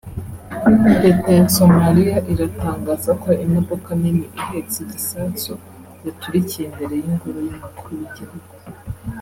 Leta ya Somaliya iratangaza ko imodoka nini ihetse igisasu yaturikiye imbere y’Ingoro y’umukuru w’igihugu